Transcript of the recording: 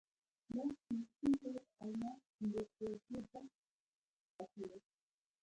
لاس کې یې سپین تر الماس، د اوبو ډک کټوری،